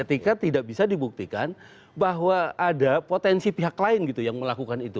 ketika tidak bisa dibuktikan bahwa ada potensi pihak lain gitu yang melakukan itu